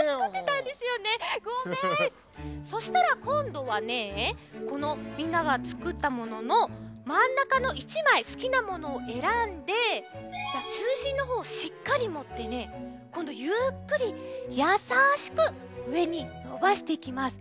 そしたらこんどはねこのみんながつくったもののまんなかの１まいすきなものをえらんでちゅうしんのほうをしっかりもってねこんどゆっくりやさしくうえにのばしていきます。